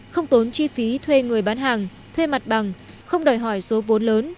không tốn chi phí thuê người bán hàng thuê mặt bằng không đòi hỏi số vốn lớn